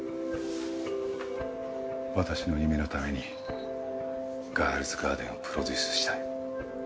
私の夢のために『ガールズガーデン』をプロデュースしたい。